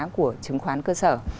của chứng khoán cơ sở